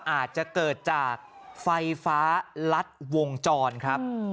อาจจะเกิดจากไฟฟ้าลัดวงจรครับ